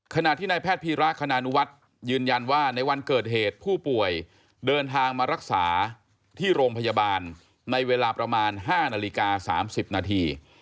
ขณะที่นายแพทย์พีระคณานุวัฒน์ยืนยันว่าในวันเกิดเหตุผู้ป่วยเดินทางมารักษาที่โรงพยาบาลในเวลาประมาณ๕นาฬิกา๓๐นาที